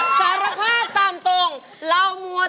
สารภาพตามตรงแล้วมัวตรง